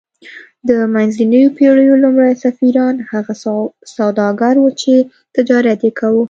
د منځنیو پیړیو لومړي سفیران هغه سوداګر وو چې تجارت یې کاوه